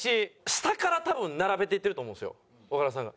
下から多分並べていってると思うんですよ岡田さんが。